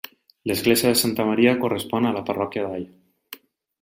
L'Església de Santa Maria correspon a la parròquia d'All.